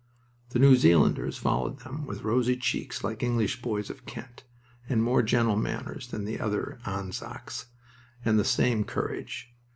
The New Zealanders followed them, with rosy cheeks like English boys of Kent, and more gentle manners than the other "Anzacs," and the same courage.